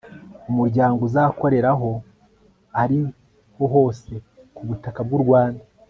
umuryango uzakorera aho ari ho hose ku butaka bw' u rwanda